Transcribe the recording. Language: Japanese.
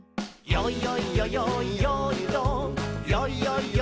「よいよいよよいよーいドン」